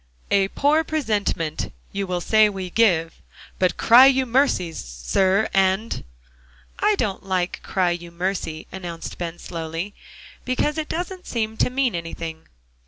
"'A poor presentment, You will say we give; But cry you mercy, Sirs, and'"? "I don't like 'cry you mercy,'" announced Ben slowly, "because it doesn't seem to mean anything."